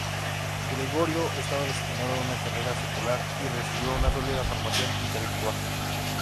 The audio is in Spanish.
Gregorio estaba destinado a una carrera secular, y recibió una sólida formación intelectual.